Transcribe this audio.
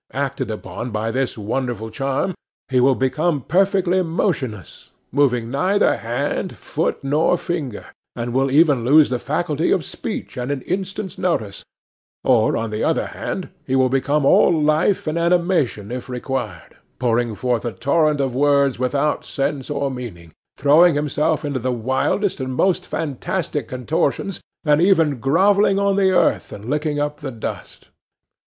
Acted upon by this wonderful charm he will become perfectly motionless, moving neither hand, foot, nor finger, and will even lose the faculty of speech at an instant's notice; or on the other hand, he will become all life and animation if required, pouring forth a torrent of words without sense or meaning, throwing himself into the wildest and most fantastic contortions, and even grovelling on the earth and licking up the dust.